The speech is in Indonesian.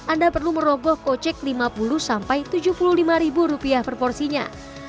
anda perlu merogoh kocek lima puluh tujuh puluh lima ribu rupiah per porsinya